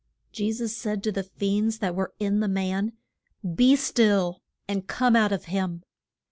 Je sus said to the fiends that were in the man, Be still, and come out of him.